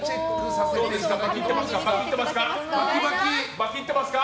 バキってますか？